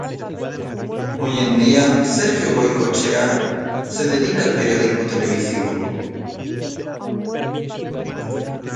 Hoy en día, Sergio Goycochea se dedica al periodismo televisivo.